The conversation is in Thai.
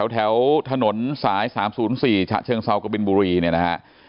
แถวถนนสาย๓๐๔ฉะเชิงเซากบินบุรีเนี่ยนะฮะ